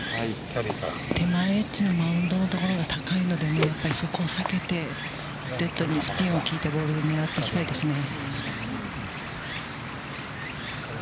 手前エッジのマウンドのところが高いので、やっぱりそこを避けて、デッドにスピンが効いたボールを狙っていきたいですね。